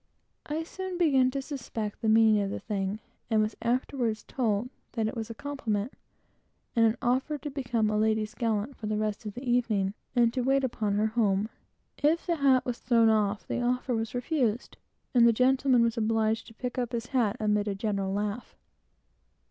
I soon began to suspect the meaning of the thing, and was afterward told that it was a compliment, and an offer to become the lady's gallant for the rest of the evening, and to wait upon her home. If the hat was thrown off, the offer was refused, and the gentleman was obliged to pick up his hat amid a general laugh.